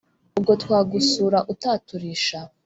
ubwo twagusura utaturisha